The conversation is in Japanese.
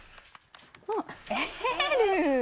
あっエル。